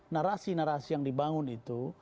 narasi narasi yang dibangun itu